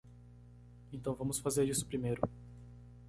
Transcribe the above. Então vamos fazer isso primeiro.